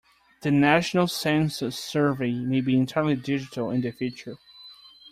The national census survey may be entirely digital in the future.